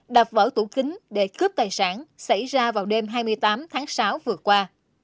đập vỡ tủ kính để cướp tài sản xảy ra vào đêm hai mươi tám tháng sáu vừa qua